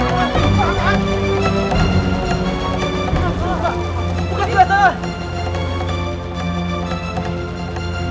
buka kalau lamburan